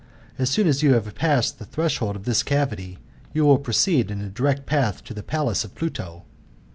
As soon as yoti have passed the* threshold of fhis cavffy, ydlT proceed in a dfflect path to the palace of Pluto.